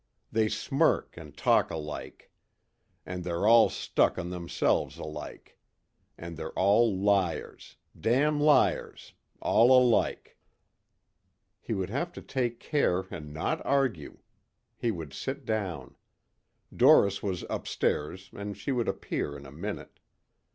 They smirk and talk alike. And they're all stuck on themselves alike. And they're all liars damn liars, all alike." He would have to take care and not argue. He would sit down. Doris was upstairs and she would appear in a minute.